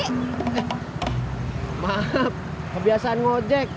eh maaf kebiasaan ngode jack